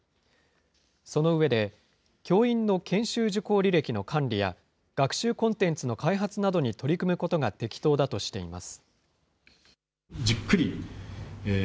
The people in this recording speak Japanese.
その上で、教員の研修受講履歴の管理や、学習コンテンツの開発などに取り組むことが適当だとしています。